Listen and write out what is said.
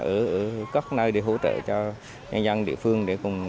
ở các nơi để hỗ trợ cho nhân dân địa phương